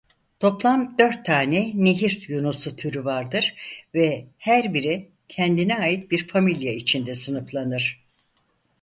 Toplam dört tane nehir yunusu türü vardır ve her biri kendine ait bir familya içinde sınıflanır.